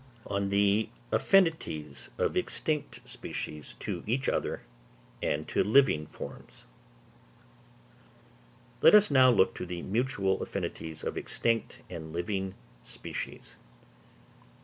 On the Affinities of Extinct Species to each other, and to Living Forms. Let us now look to the mutual affinities of extinct and living species.